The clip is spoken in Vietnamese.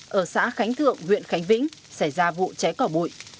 ở xã khánh thượng huyện khánh vĩnh xảy ra vụ cháy cỏ bụi